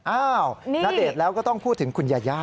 ณเดชน์แล้วก็ต้องพูดถึงคุณยาย่า